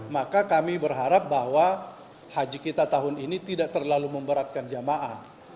maka kami berharap bahwa haji kita tahun ini tidak terlalu memberatkan jamaah